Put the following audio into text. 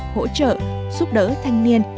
hỗ trợ giúp đỡ thanh niên